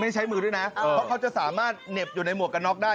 ตรงนั้นเราจะสามารถเหน็บไหมในหมวกกับน็อกได้